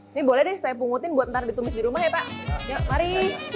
ini boleh deh saya pungutin buat ntar ditumis di rumah ya pak yuk mari